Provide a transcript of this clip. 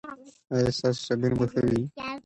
ایا ستاسو صابون به ښه وي؟